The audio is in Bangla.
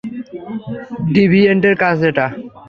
ডিভিয়েন্টের কাজ এটা।